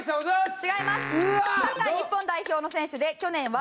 違います。